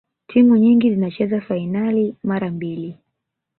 timu nyingi zinacheza fainali mara mbili